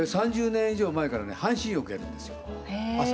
３０年以上前からね半身浴やるんですよ朝。